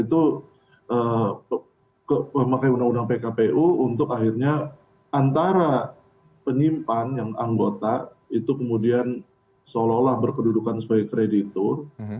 itu memakai undang undang pkpu untuk akhirnya antara penyimpan yang anggota itu kemudian seolah olah berkedudukan sebagai kreditur